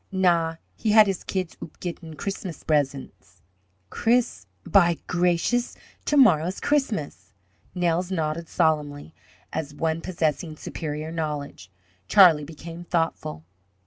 "Na; he had his kids oop gettin' Christmas bresents." "Chris By gracious! to morrow's Christmas!" Nels nodded solemnly, as one possessing superior knowledge. Charlie became thoughtful.